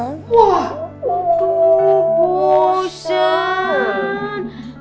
wah tuh bosen